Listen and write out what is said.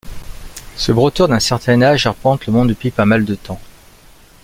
Ce bretteur d'un certain âge arpente le monde depuis pas mal de temps.